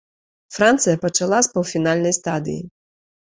Францыя пачала з паўфінальнай стадыі.